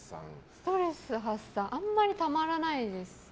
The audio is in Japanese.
ストレス発散あまりたまらないですね。